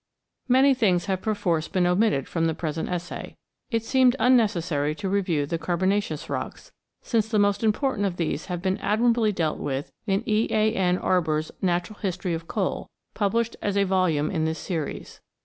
Many things have perforce been omitted from the present essay. It seemed unnecessary to review the Carbonaceous rocks, since the most important of these have been admirably dealt with in E. A. N. Arber's Natural History of Coal, published as a volume in this series.